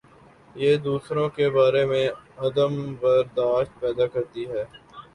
یہ دوسروں کے بارے میں عدم بر داشت پیدا کر تی ہے۔